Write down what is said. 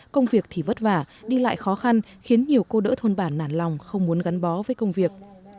công việc thì vất vả đi lại khó khăn khiến nhiều cô đỡ thôn bản nản lòng không muốn gắn bó với công việc